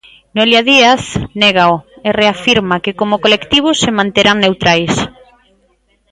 Noelia Díaz négao e reafirma que como colectivo se manterán neutrais.